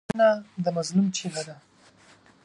وژنه د مظلوم چیغه ده